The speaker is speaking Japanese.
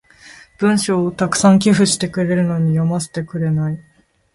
文章を沢山寄付してるのに読ませてくれない。